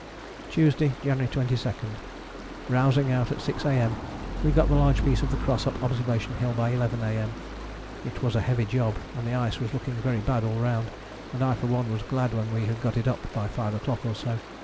"Tuesday, January 22. Rousing out at 6 A.M. we got the large piece of the cross up Observation Hill by 11 A.M. It was a heavy job, and the ice was looking very bad all round, and I for one was glad when we had got it up by 5 o'clock or so.